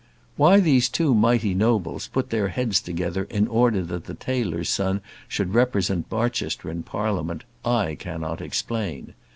Why these two mighty nobles put their heads together in order that the tailor's son should represent Barchester in Parliament, I cannot explain.